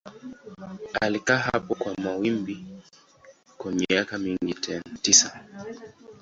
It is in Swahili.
Alikaa hapo kama mwimbaji kwa miaka mingine tisa.